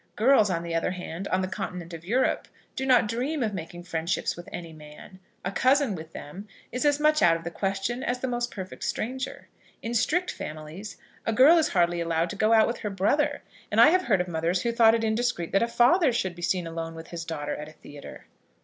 Girls on the other hand, on the continent of Europe, do not dream of making friendship with any man. A cousin with them is as much out of the question as the most perfect stranger. In strict families, a girl is hardly allowed to go out with her brother; and I have heard of mothers who thought it indiscreet that a father should be seen alone with his daughter at a theatre.